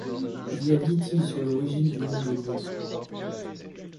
Il y a litige sur l'origine du nom de lieu.